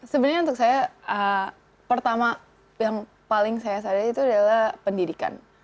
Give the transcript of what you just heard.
sebenarnya untuk saya pertama yang paling saya sadari itu adalah pendidikan